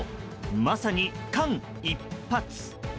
まさに、間一髪。